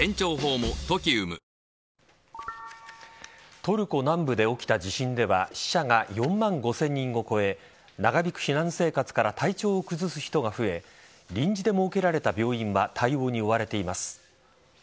トルコ南部で起きた地震では死者が４万５０００人を超え長引く避難生活から体調を崩す人が増え臨時で設けられた病院は対応に追われています。